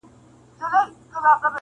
عدالت د سالم ژوند اساسي اړتیا ده.